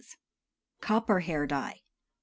COPPER HAIR DYE. I.